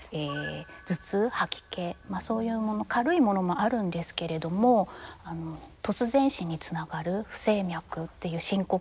頭痛吐き気そういうもの軽いものもあるんですけれども突然死につながる不整脈っていう深刻なものまであります。